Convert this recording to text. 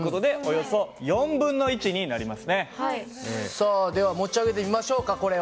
さあでは持ち上げてみましょうかこれを。